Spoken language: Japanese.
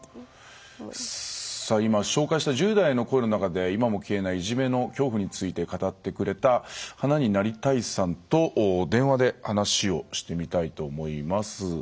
さあ今紹介した１０代の声の中で今も消えないいじめの恐怖について語ってくれた花になりたいさんと電話で話をしてみたいと思います。